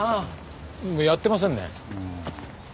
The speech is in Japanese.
やってませんね。